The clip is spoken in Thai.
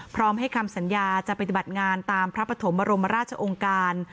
พร้อมให้คำสัญญาจะปฏิบัติงานตามพระปฐมบรมราชองค์การ